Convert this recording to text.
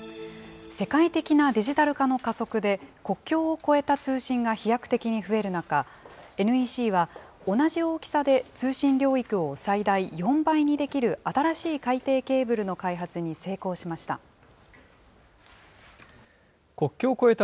世界的なデジタル化の加速で、国境を越えた通信が飛躍的に増える中、ＮＥＣは、同じ大きさで通信領域を最大４倍にできる新しい海底ケーブルの開発に成功しました。